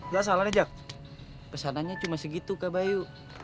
gak salah nih jak pesanannya cuma segitu kak bayu